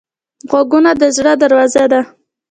غوږونه د زړه دروازه ده